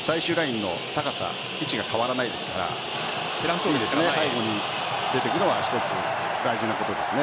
最終ラインの高さ位置が変わらないですから背後に出て行くのは一つ大事なところですね。